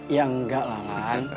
ya enggak lah lan